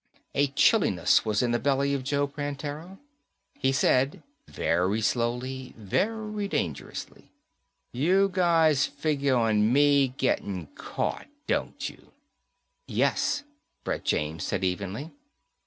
A chillness was in the belly of Joe Prantera. He said very slowly, very dangerously, "You guys figure on me getting caught, don't you?" "Yes," Brett James said evenly.